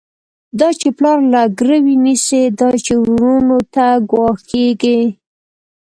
دا چی پلار له ګروی نيسی، دا چی وروڼو ته ګواښيږی